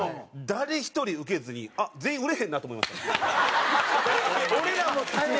誰一人ウケずにあっ全員売れへんなと思いました。